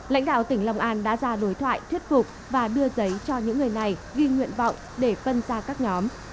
lãnh đạo tỉnh long an đã ra đối thoại thuyết phục và đưa giấy cho những người này ghi nguyện vọng để phân ra các nhóm